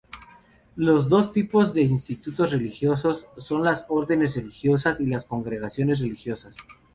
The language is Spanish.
Los dos tipos de Institutos religiosos son las Órdenes religiosas y las Congregaciones religiosas.